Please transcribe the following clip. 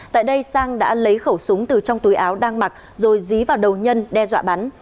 tại đây sang đã lấy khẩu súng từ trong túi áo đang mặc rồi dí vào đầu nhân đe dọa bắn